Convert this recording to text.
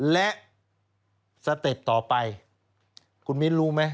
และขายไปต่อไป